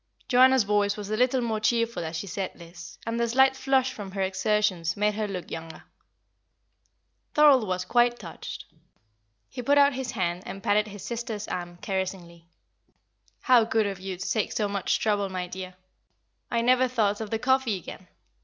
Joanna's voice was a little more cheerful as she said this, and the slight flush from her exertions made her look younger. Thorold was quite touched; he put out his hand and patted his sister's arm caressingly. "How good of you to take so much trouble, my dear! I never thought of the coffee again.